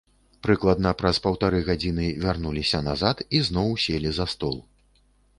Прыкладна праз паўтары гадзіны вярнуліся назад і зноў селі за стол.